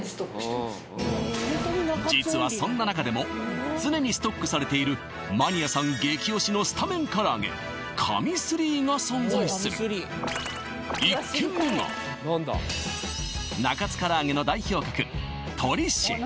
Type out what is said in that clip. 実はそんな中でも常にストックされているマニアさん激推しのスタメンからあげ神３が存在する１軒目が中津からあげの代表格鳥しん